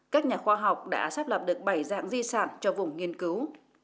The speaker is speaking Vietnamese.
các nhà khoa học đã xác lập được bảy dạng di sản cho vùng nghiên cứu